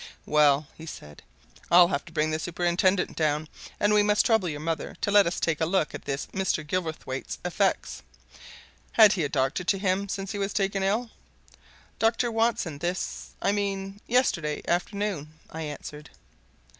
"Well," he said, "I'll have to bring the superintendent down, and we must trouble your mother to let us take a look at this Mr. Gilverthwaite's effects. Had he a doctor to him since he was taken ill?" "Dr. Watson this I mean yesterday afternoon," I answered.